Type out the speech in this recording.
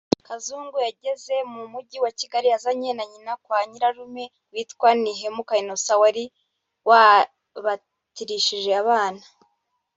Kazungu yageze mu Mujyi wa Kigali azanye na nyina kwa nyirarume witwa Ntihemuka Innocent wari wabatirishije abana